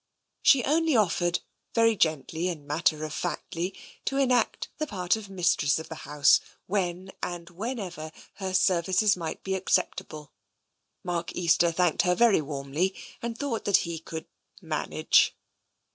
She only offered, very gently and matter of factly, to enact the part of mistress of the house when and whenever her services might be acceptable. Mark Easter thanked her very warmly and thought that he could " manage."